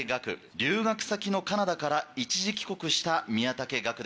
留学先のカナダから一時帰国した宮武岳です。